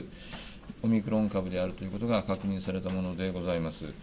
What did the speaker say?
オミクロン株であるということが確認されたことであります。